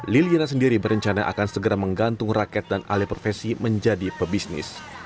liliana sendiri berencana akan segera menggantung rakyat dan alih profesi menjadi pebisnis